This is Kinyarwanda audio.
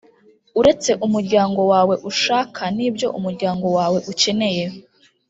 uretse umuryango wawe ushaka n ibyo umuryango wawe ukeneye